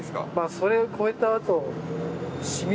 それ越えたあと。